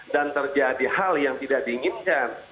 dan terjadi hal yang tidak diinginkan